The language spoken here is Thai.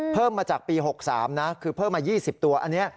เพิ่มมาจากปี๖๓นะคือเพิ่มมา๒๐ตัวอันนี้